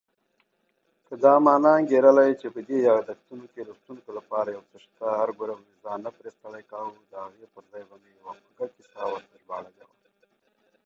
Generally, the first bones to show symptoms via X-ray are the fingers.